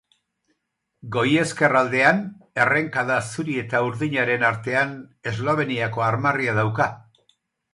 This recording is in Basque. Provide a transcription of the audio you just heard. Goi-ezkerraldean, errenkada zuri eta urdinaren artean, Esloveniako armarria dauka.